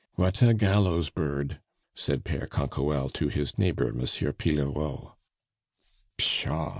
"What a gallows bird!" said Pere Canquoelle to his neighbor Monsieur Pillerault. "Pshaw!"